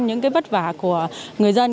những cái vất vả của người dân